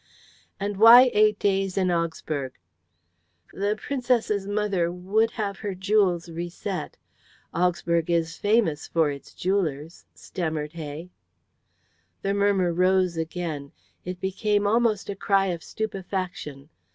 "And why eight days in Augsburg?" "The Princess's mother would have her jewels reset. Augsburg is famous for its jewellers," stammered Hay. The murmur rose again; it became almost a cry of stupefaction.